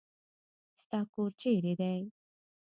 ستا کور چيري دی.